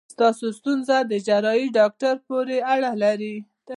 ستاسو ستونزه د جراحي داکټر پورې اړه لري.